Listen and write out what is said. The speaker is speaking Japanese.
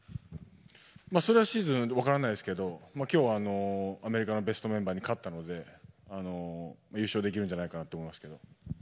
それはシーズンによるので分からないですけど今日はアメリカのベストメンバーに勝ったので優勝できるんじゃないかなと思いますけど。